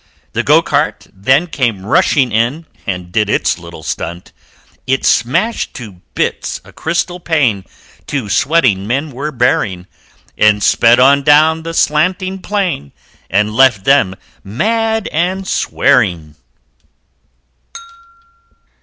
The Go cart then came rushing in And did its little stunt It smashed to bits a crystal pane Two sweating men were bearing, And sped on down the slanting plane And left them mad and swearing!